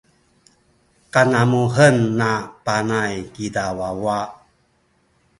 kanamuhen na Panay kiza wawa.